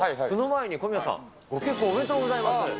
その前に小宮さん、ご結婚おめでとうございます。